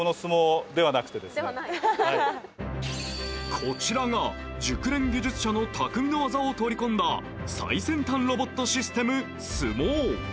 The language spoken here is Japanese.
こちらが熟練技術者の匠の技を取り込んだ最先端ロボットシステム、ＳＵＭＯ